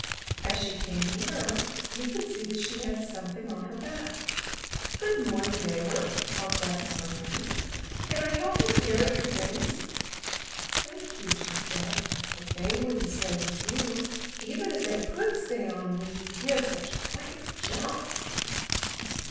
As she came nearer, he could see that she had something on her back. '*Good morning, neighbor," called Grasshopper Green. ''Can I help you carry your things?'* '*Thank you," she said, ''but they wouldn't stay with you, even if they could stay on when you give such great jumps."